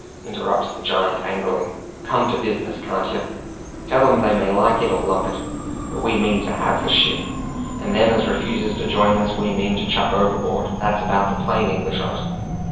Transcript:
interrupts the giant angrily. "Come to business, carn't yer? Tell 'em they may like it or lump it, but we mean to have the ship, and them as refuses to join us we mean to chuck overboard. That's about the plain English of it!"